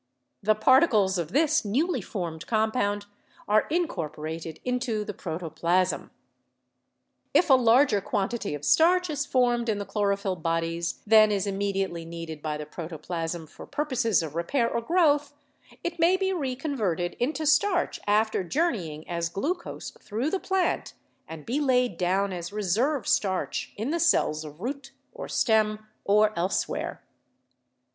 The particles of this newly formed compound are incor porated into the protoplasm. If a larger quantity of starch is formed in the chloro phyll bodies than is immediately needed by the protoplasm for purposes of repair or growth, it may be reconverted into starch after journeying as glucose through the plant and be laid down as "reserve starch" in the cells of root or stem or elsewhere.